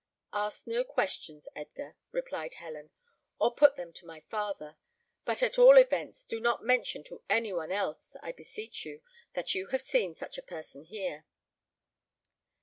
"Ask no questions, Edgar," replied Helen, "or put them to my father; but at all events, do not mention to any one else, I beseech you, that you have seen such a person here."